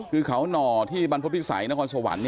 คือเขาหน่อที่บรรพบพิสัยนครสวรรค์